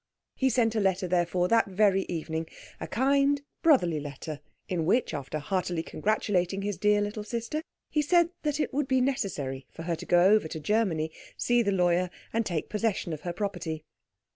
He sent a letter, therefore, that very evening a kind, brotherly letter, in which, after heartily congratulating his dear little sister, he said that it would be necessary for her to go over to Germany, see the lawyer, and take possession of her property.